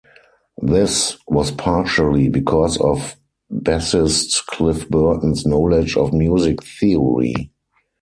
This was partially because of bassist Cliff Burton's knowledge of music theory.